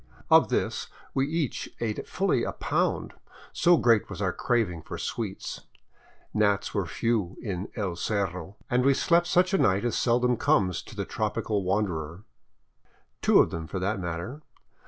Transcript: Of this we each ate fully a pound, so great was our craving for sweets. Gnats were few in El Cerro, and we slept such a night as seldom comes to the tropical wanderer. Two of them, for that matter.